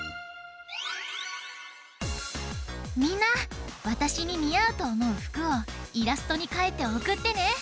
みんなわたしににあうとおもうふくをイラストにかいておくってね。